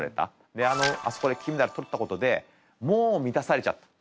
であそこで金メダル取ったことでもう満たされちゃった。